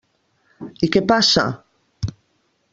I què passa?